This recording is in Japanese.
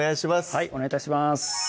はいお願い致します